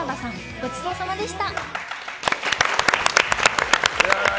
ごちそうさまでした！